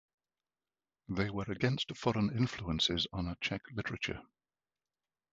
They were against foreign influences on Czech literature.